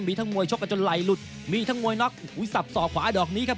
มีทั้งมวยชกกันจนไหล่หลุดมีทั้งมวยน็อกอุ้ยสับสอกขวาดอกนี้ครับ